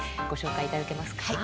ご紹介いただけますか。